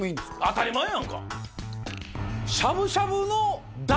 当たり前やんか！